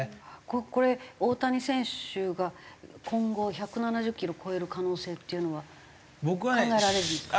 これ大谷選手が今後１７０キロを超える可能性っていうのは考えられるんですか？